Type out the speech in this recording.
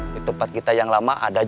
di tempat kita yang lama ada